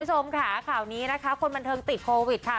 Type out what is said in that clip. คุณผู้ชมค่ะข่าวนี้นะคะคนบันเทิงติดโควิดค่ะ